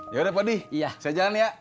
yaudah pak odi saya jalan ya